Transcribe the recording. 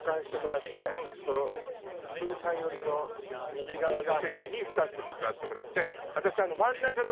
ブーさん寄りの右側の席にスタッフに座ってもらって私。